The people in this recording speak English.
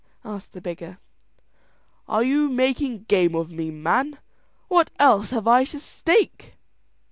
asked the beggar. "Are you making game of me, man; what else have I to stake?"